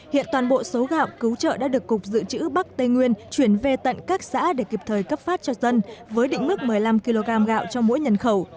hiện toàn bộ số gạo cứu trợ đã được cục dự trữ bắc tây nguyên chuyển về tận các xã để kịp thời cấp phát cho dân với định mức một mươi năm kg gạo cho mỗi nhân khẩu